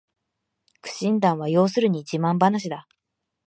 苦心談は要するに自慢ばなしだ